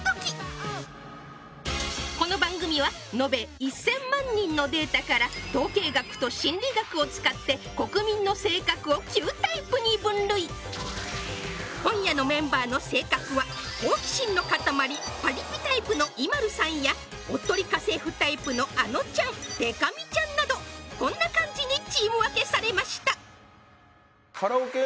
この番組は延べ１０００万人のデータから統計学と心理学を使って国民の性格を９タイプに分類今夜のメンバーの性格は好奇心の塊パリピタイプのＩＭＡＬＵさんやおっとり家政婦タイプのあのちゃんでか美ちゃんなどこんな感じにチーム分けされました